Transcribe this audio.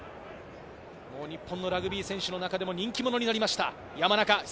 日本のラグビー選手の中でも人気者になりました。